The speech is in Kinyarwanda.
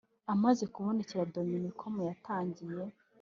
amaze kubonekera dominiko mu yatangiye